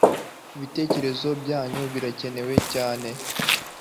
Ibitecyerezo byanyu birakenewe cyane